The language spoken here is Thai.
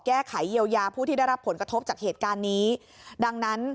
แก้ไขเยียวยาผู้ที่ได้รับผลกระทบจากเหตุการณ์นี้ดังนั้น